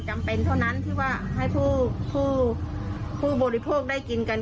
จำเป็นเท่านั้นที่ว่าให้ผู้บริโภคได้กินกัน